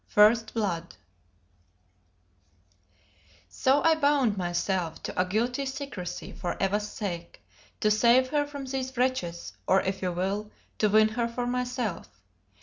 FIRST BLOOD So I bound myself to a guilty secrecy for Eva's sake, to save her from these wretches, or if you will, to win her for myself.